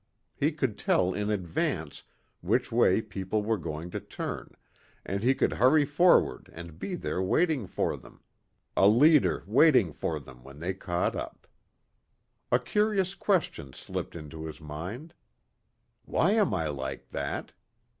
He could tell in advance which way people were going to turn and he could hurry forward and be there waiting for them a leader waiting for them when they caught up. A curious question slipped into his mind. "Why am I like that?"